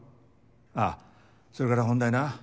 あっそれから本題な。